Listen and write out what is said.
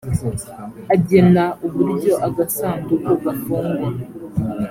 agena uburyo agasanduku gafungwa.